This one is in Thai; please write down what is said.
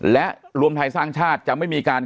และรวมไทยสร้างชาติจะไม่มีการ